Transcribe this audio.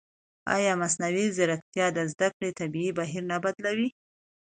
ایا مصنوعي ځیرکتیا د زده کړې طبیعي بهیر نه بدلوي؟